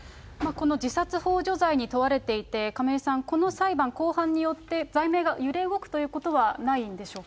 この自殺ほう助罪に問われていて、亀井さん、この裁判、公判によって罪名が揺れ動くということはないんでしょうか。